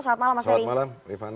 selamat malam mas ferry